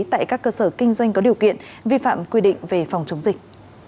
tại các cơ sở kinh doanh có điều kiện vi phạm quy định về phòng chống dịch